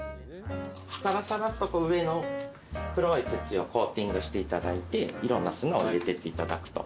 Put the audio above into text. サラサラっと上の黒い土をコーティングしていただいていろんな砂を入れてっていただくと。